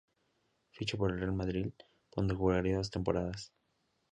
Fichó por el Real Madrid, donde jugaría dos temporadas.